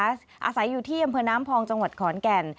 อาศัยอยู่ที่อำเภอน้ำพองจังหวัดขอนแก่น